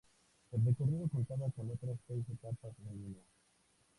El recorrido contaba con otras seis etapas en línea.